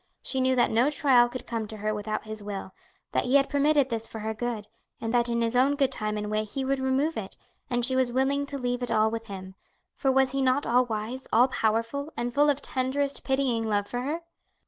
She knew that no trial could come to her without His will, that He had permitted this for her good, that in His own good time and way He would remove it, and she was willing to leave it all with Him; for was He not all wise, all powerful, and full of tenderest, pitying love for her?